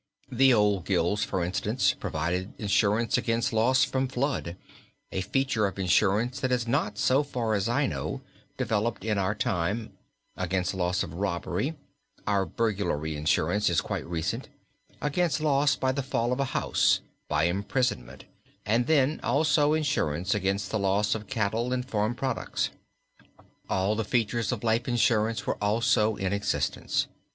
The old gilds, for instance, provided insurance against loss from flood, a feature of insurance that has not, so far as I know, developed in our time, against loss by robbery (our burglary insurance is quite recent), against loss by the fall of a house, by imprisonment, and then also insurance against the loss of cattle and farm products. All the features of life insurance also were in existence.